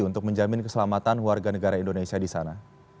untuk menjamin keselamatan warga negara indonesia di sana